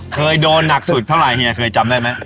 เคยโดนหนักสุดเท่าไหเฮียเคยจำได้ไหม